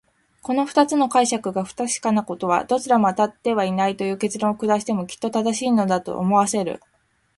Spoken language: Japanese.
この二つの解釈が不確かなことは、どちらもあたってはいないという結論を下してもきっと正しいのだ、と思わせる。